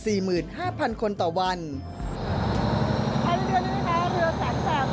ใครที่เดินนี้ค่ะเยอะแสงแสบแบบใหม่